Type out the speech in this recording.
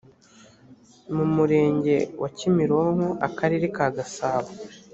mu murenge wa kimironko akarere ka gasabo